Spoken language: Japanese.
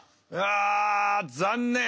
あ残念！